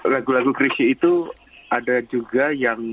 lagu lagu crisy itu ada juga yang